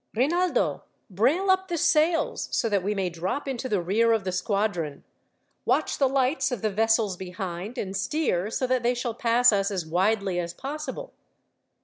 "Rinaldo, brail up the sails, so that we may drop into the rear of the squadron. Watch the lights of the vessels behind, and steer so that they shall pass us as widely as possible."